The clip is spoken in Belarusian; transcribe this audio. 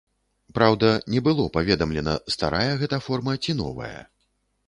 Праўда, не было паведамлена, старая гэта форма ці новая.